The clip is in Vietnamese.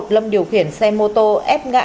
lâm điều khiển xe mô tô ép ngã